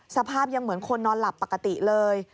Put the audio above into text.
สภาพยังเหมือนคนนอนหลับปกติเลย